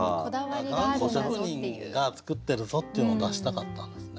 頑固職人が作ってるぞっていうのを出したかったんですね。